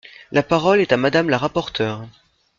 La parole est à Madame la rapporteure.